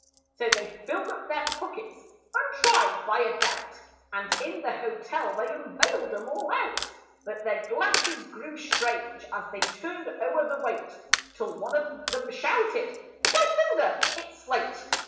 So they filled up their pockets, untried by a doubt, And in the hotel they unveiled 'em all out; But their glances grew strange as they turned o'er the weight, Till one of them shouted, "By thunder, it's slate!"